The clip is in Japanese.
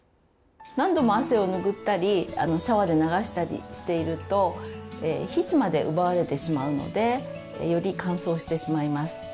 何度も汗を拭ったりシャワーで流したりしていると皮脂まで奪われてしまうのでより乾燥してしまいます。